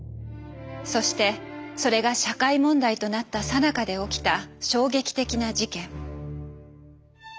そしてそれが社会問題となったさなかで起きた衝撃的な事件。